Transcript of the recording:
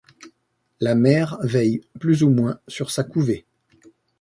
La mère veille plus ou moins sur sa couvée.